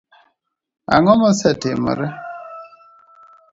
Ang'o mosetimore?